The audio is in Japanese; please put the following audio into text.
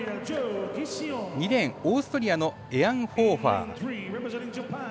２レーンオーストリアのエアンホーファー。